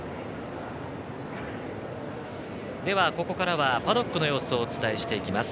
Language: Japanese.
ここからはパドックの様子をお伝えしていきます。